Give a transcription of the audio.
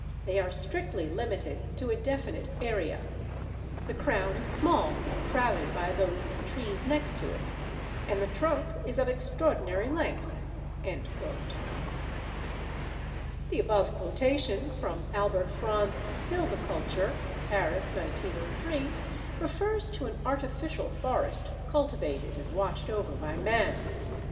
They are strictly limited to a definite area; the crown is small and crowded by those of the trees next to it, and the trunk is of extraordinary length." The above quotation from Albert Fron's Sylviculture (Paris, 1903) refers to an artificial forest cultivated and watched over by man.